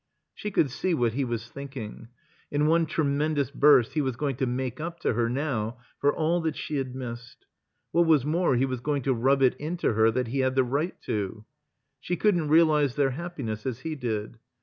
She could see what he was thinking. In one tremendous burst he was going to make up to her now for all that she had missed. What was more, he was going to rub it into her that he had the right to. She couldn't realize their happiness as he did.